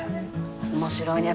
面白いね。